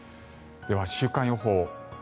では、週間予報。